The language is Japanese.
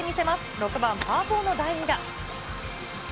６番パー４の第２打。